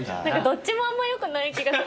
どっちもあんまよくない気が。